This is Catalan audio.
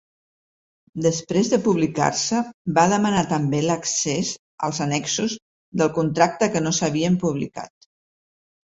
Després de publicar-se, va demanar també l'accés als annexos del contracte que no s'havien publicat.